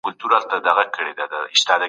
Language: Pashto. په لویه جرګه کي د لمانځه ادا کولو ځای چېرته دی؟